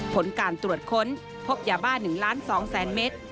ผลการตรวจค้นพบยาบ้า๑ล้าน๒แสนเมตร